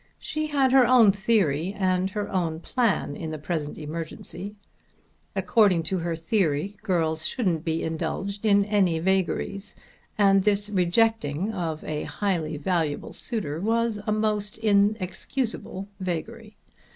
She had her own theory and her own plan in the present emergency. According to her theory girls shouldn't be indulged in any vagaries, and this rejecting of a highly valuable suitor was a most inexcusable vagary.